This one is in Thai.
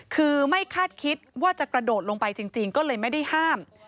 คือไม่คาดคิดว่าจะกระโดดลงไปจริงก็เลยไม่ได้ห้าม